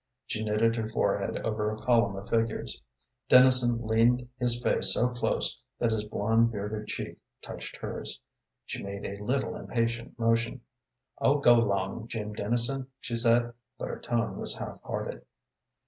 She knitted her forehead over a column of figures. Dennison leaned his face so close that his blond bearded cheek touched hers. She made a little impatient motion. "Oh, go long, Jim Dennison," she said, but her tone was half hearted.